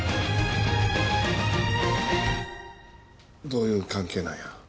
どういう関係なんや？